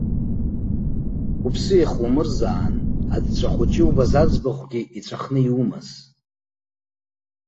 Уԥсы иахумырзаан аҵәҵәа хәыҷ иубаз аӡбахәгьы, иҵәахны иумаз.